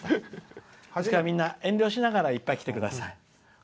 みんな、遠慮しながらいっぱい来てください。